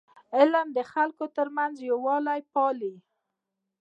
علم د خلکو ترمنځ یووالی پالي.